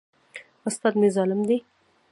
استاد مي ظالم دی.